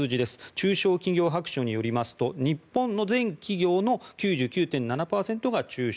中小企業白書によりますと日本の全企業の９９．７％が中小。